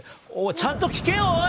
ちゃんと聞けよおい！